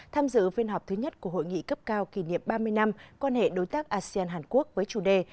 tham dự phiên họp thứ nhất của hội nghị cấp cao kỷ niệm ba mươi năm quan hệ đối tác asean hàn quốc với chủ đề